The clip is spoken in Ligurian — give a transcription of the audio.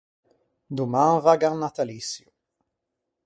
Doman vaggo à un nataliçio.